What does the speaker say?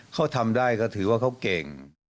เขาทำได้ก็ถือว่าเขาเก่ง